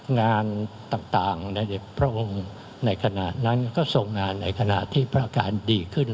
งานต่างในพระองค์ในขณะนั้นก็ทรงงานในขณะที่พระอาการดีขึ้น